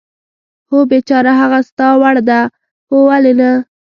هو، بېچاره، هغه ستا وړ ده؟ هو، ولې نه.